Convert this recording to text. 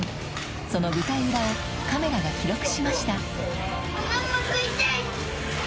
その舞台裏をカメラが記録しました。